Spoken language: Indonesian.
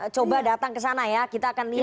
coba datang ke sana ya kita akan lihat